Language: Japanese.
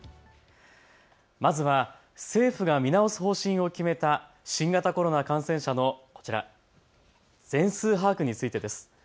まずは政府が見直す方針を決めた新型コロナ感染者のこちら、全数把握についてです。